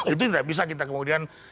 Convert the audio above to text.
itu tidak bisa kita kemudian